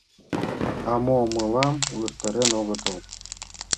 — А мо мылам увертарен огытыл?